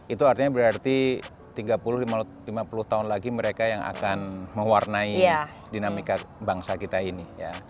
itu artinya berarti tiga puluh lima puluh tahun lagi mereka yang akan mewarnai dinamika bangsa kita ini